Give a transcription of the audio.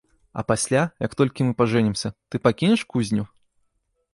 А пасля, як толькі мы пажэнімся, ты пакінеш кузню?